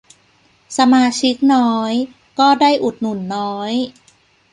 สมาชิกน้อย ก็ได้อุดหนุนน้อย